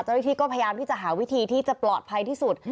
เจ้าหน้าที่ก็พยายามที่จะหาวิธีที่จะปลอดภัยที่สุด